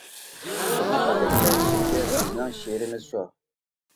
قىزىل كاتەكچە ئىچىدىكى بىزنىڭ شىرىمىز شۇ.